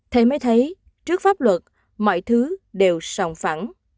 thế mới thấy trước pháp luật mọi thứ đều sòng phẳng